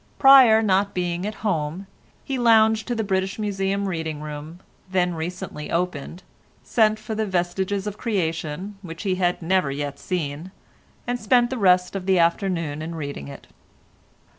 Pryer not being at home, he lounged to the British Museum Reading Room, then recently opened, sent for the "Vestiges of Creation," which he had never yet seen, and spent the rest of the afternoon in reading it.